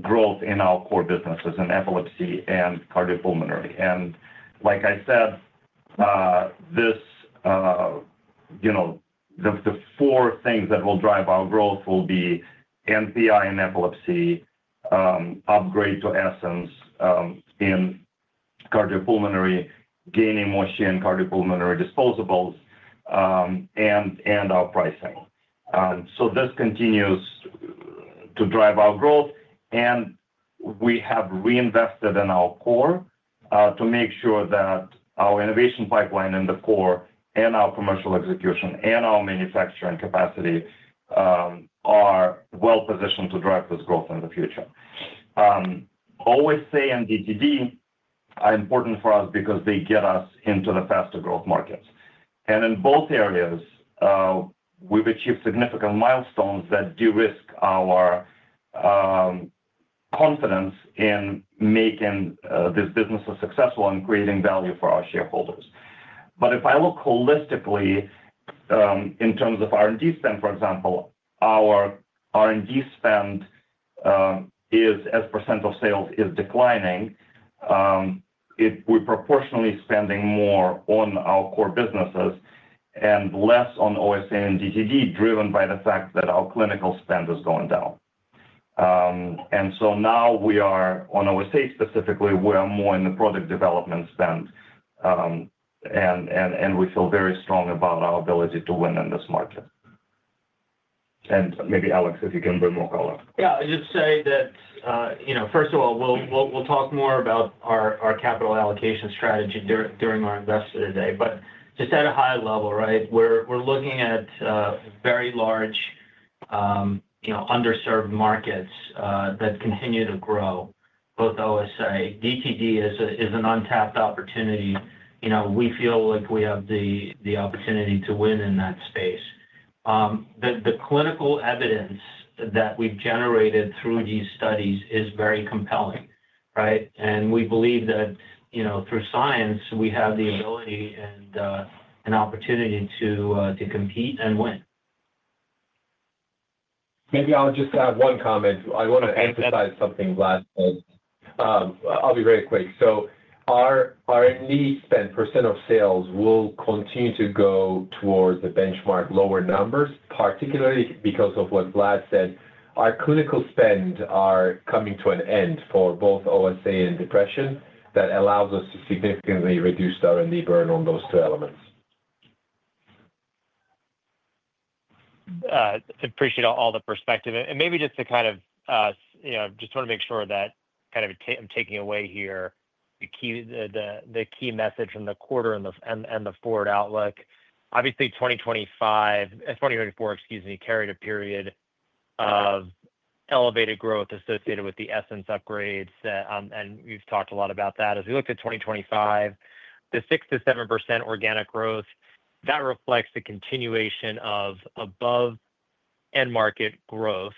growth in our core businesses in Epilepsy and Cardiopulmonary. And like I said, the four things that will drive our growth will be NPI and Epilepsy, upgrade to Essenz in Cardiopulmonary, gaining more share in Cardiopulmonary disposables, and our pricing. So this continues to drive our growth. And we have reinvested in our core to make sure that our innovation pipeline in the core and our commercial execution and our manufacturing capacity are well positioned to drive this growth in the future. OSA and DTD are important for us because they get us into the faster growth markets. And in both areas, we've achieved significant milestones that de-risk our confidence in making this business successful and creating value for our shareholders. But if I look holistically in terms of R&D spend, for example, our R&D spend is, as percent of sales, is declining. We're proportionally spending more on our core businesses and less on OSA and DTD, driven by the fact that our clinical spend is going down. And so now we are on OSA specifically, we are more in the product development spend, and we feel very strong about our ability to win in this market. And maybe Alex, if you can bring more color. Yeah. I just say that, first of all, we'll talk more about our capital allocation strategy during our Investor Day today. But just at a high level, right, we're looking at very large underserved markets that continue to grow, both OSA. DTD is an untapped opportunity. We feel like we have the opportunity to win in that space. The clinical evidence that we've generated through these studies is very compelling, right? And we believe that through science, we have the ability and opportunity to compete and win. Maybe I'll just add one comment. I want to emphasize something Vlad said. I'll be very quick. So our R&D spend percent of sales will continue to go towards the benchmark lower numbers, particularly because of what Vlad said. Our clinical spend are coming to an end for both OSA and depression that allows us to significantly reduce our R&D burn on those two elements. Appreciate all the perspective. And maybe just to kind of just want to make sure that kind of I'm taking away here the key message from the quarter and the forward outlook. Obviously, 2024, excuse me, carried a period of elevated growth associated with the Essenz upgrades. And we've talked a lot about that. As we look to 2025, the 6%-7% organic growth, that reflects the continuation of above end-market growth.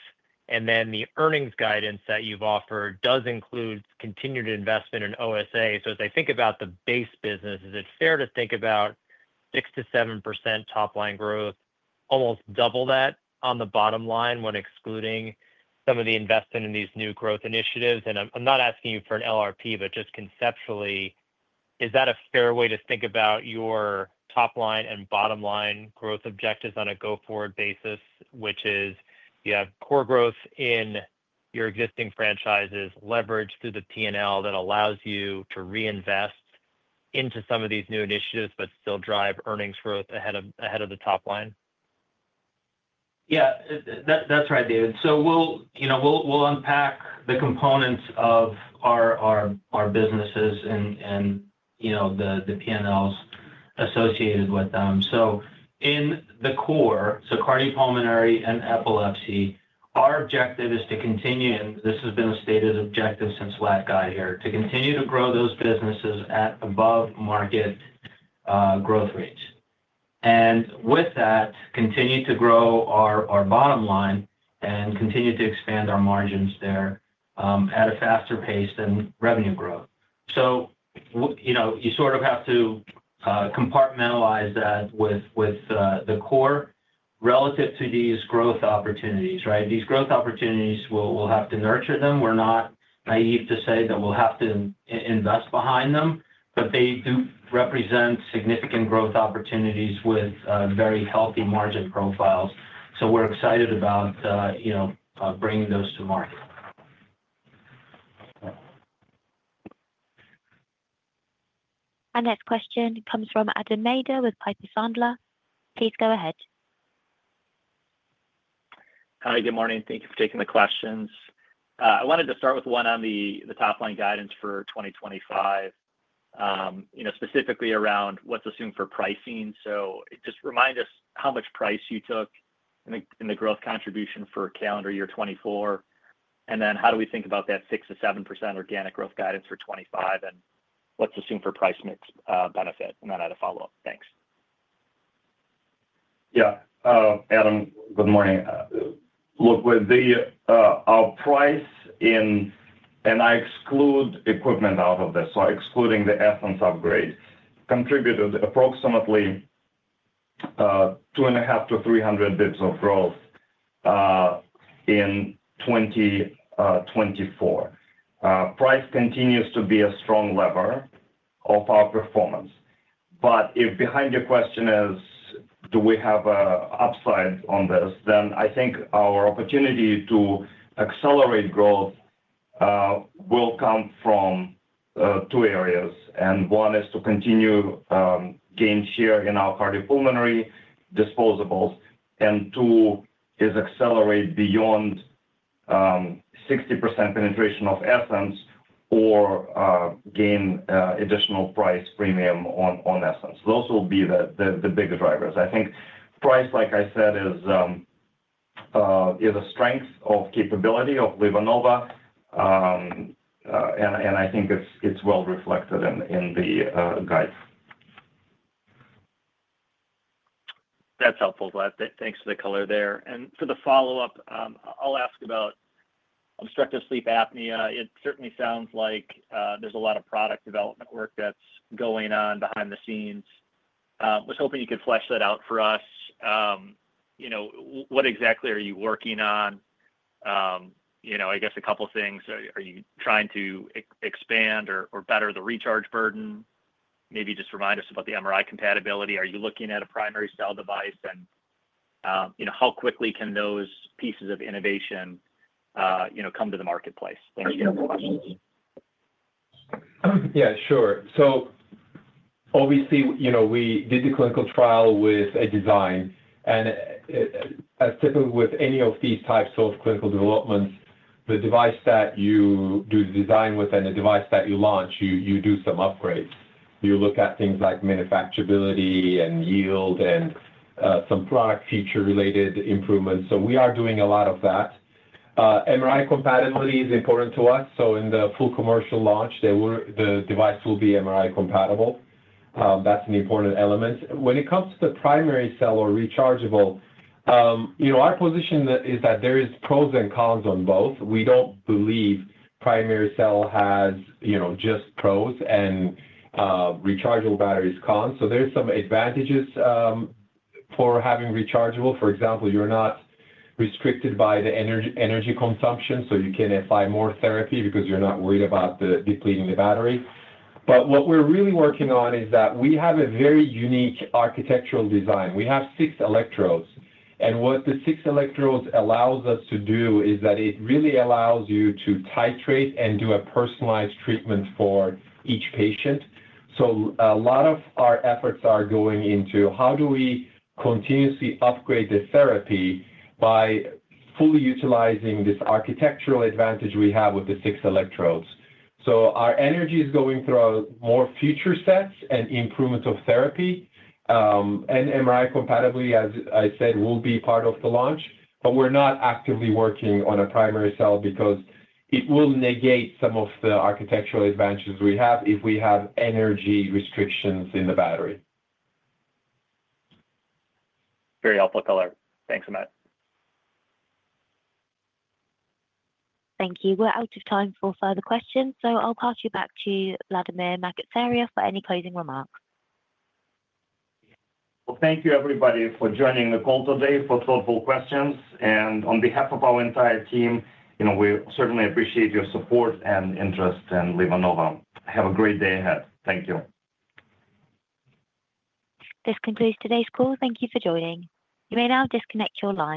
And then the earnings guidance that you've offered does include continued investment in OSA. So as I think about the base business, is it fair to think about 6%-7% top-line growth, almost double that on the bottom line when excluding some of the investment in these new growth initiatives? I'm not asking you for an LRP, but just conceptually, is that a fair way to think about your top-line and bottom-line growth objectives on a go-forward basis, which is you have core growth in your existing franchises leveraged through the P&L that allows you to reinvest into some of these new initiatives, but still drive earnings growth ahead of the top line? Yeah. That's right, David. So we'll unpack the components of our businesses and the P&Ls associated with them. So in the core, so cardiopulmonary and epilepsy, our objective is to continue, and this has been stated as objective since Vlad got here, to continue to grow those businesses at above-market growth rates. And with that, continue to grow our bottom line and continue to expand our margins there at a faster pace than revenue growth. So you sort of have to compartmentalize that with the core relative to these growth opportunities, right? These growth opportunities, we'll have to nurture them. We're not naive to say that we'll have to invest behind them, but they do represent significant growth opportunities with very healthy margin profiles. So we're excited about bringing those to market. Our next question comes from Adam Maeder with Piper Sandler. Please go ahead. Hi, good morning. Thank you for taking the questions. I wanted to start with one on the top-line guidance for 2025, specifically around what's assumed for pricing. So just remind us how much price you took in the growth contribution for calendar year 2024. And then how do we think about that 6%-7% organic growth guidance for 2025 and what's assumed for price mix benefit? And then I had a follow-up. Thanks. Yeah. Adam, good morning. Look, with our priceing, and I exclude equipment out of this, so excluding the Essenz upgrade, contributed approximately 250 to 300 basis points of growth in 2024. Price continues to be a strong lever of our performance. But if behind your question is, do we have an upside on this, then I think our opportunity to accelerate growth will come from two areas. And one is to continue gain share in our cardiopulmonary disposables. And two is accelerate beyond 60% penetration of Essenz or gain additional price premium on Essenz. Those will be the big drivers. I think price, like I said, is a strength of capability of LivaNova. And I think it's well reflected in the guide. That's helpful, Vlad. Thanks for the color there. For the follow-up, I'll ask about obstructive sleep apnea. It certainly sounds like there's a lot of product development work that's going on behind the scenes. I was hoping you could flesh that out for us. What exactly are you working on? I guess a couple of things. Are you trying to expand or better the recharge burden? Maybe just remind us about the MRI compatibility. Are you looking at a primary cell device? And how quickly can those pieces of innovation come to the marketplace? Thanks for the questions. Yeah, sure. So obviously, we did the clinical trial with a design. And as typically with any of these types of clinical developments, the device that you do the design with and the device that you launch, you do some upgrades. You look at things like manufacturability and yield and some product feature-related improvements. So we are doing a lot of that. MRI compatibility is important to us. So in the full commercial launch, the device will be MRI compatible. That's an important element. When it comes to the primary cell or rechargeable, our position is that there are pros and cons on both. We don't believe primary cell has just pros, and rechargeable batteries are cons. So there are some advantages for having rechargeable. For example, you're not restricted by the energy consumption, so you can apply more therapy because you're not worried about depleting the battery. What we're really working on is that we have a very unique architectural design. We have six electrodes. What the six electrodes allows us to do is that it really allows you to titrate and do a personalized treatment for each patient. A lot of our efforts are going into how do we continuously upgrade the therapy by fully utilizing this architectural advantage we have with the six electrodes. Our energy is going through more feature sets and improvement of therapy. MRI compatibility, as I said, will be part of the launch. We're not actively working on a primary cell because it will negate some of the architectural advantages we have if we have energy restrictions in the battery. Very helpful color. Thanks, Vlad. Thank you. We're out of time for further questions. So I'll pass you back to Vladimir Makatsaria for any closing remarks. Thank you, everybody, for joining the call today for thoughtful questions. On behalf of our entire team, we certainly appreciate your support and interest in LivaNova. Have a great day ahead. Thank you. This concludes today's call. Thank you for joining. You may now disconnect your line.